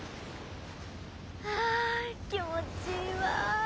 あ気持ちいいわ。